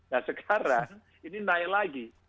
nah sekarang ini naik lagi